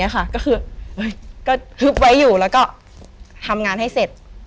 ก็คือก็ฮึบไว้อยู่แล้วก็ทำงานให้เสร็จ